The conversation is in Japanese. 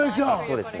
そうです。